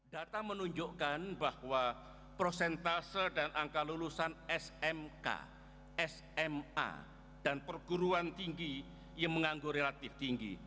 data menunjukkan bahwa prosentase dan angka lulusan smk sma dan perguruan tinggi yang menganggur relatif tinggi